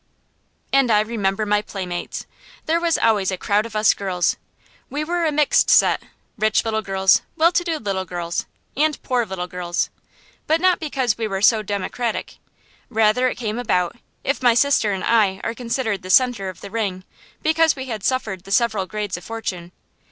And I remember my playmates. There was always a crowd of us girls. We were a mixed set, rich little girls, well to do little girls, and poor little girls, but not because we were so democratic. Rather it came about, if my sister and I are considered the centre of the ring, because we had suffered the several grades of fortune.